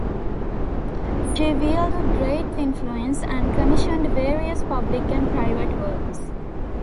She wielded great influence and commissioned various public and private works.